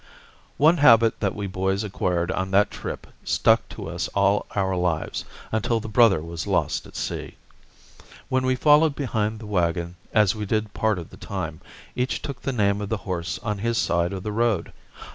One habit that we boys acquired on that trip stuck to us all our lives, until the brother was lost at sea. When we followed behind the wagon, as we did part of the time, each took the name of the horse on his side of the road.